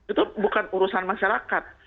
itu bukan urusan masyarakat